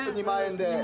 ２万円で。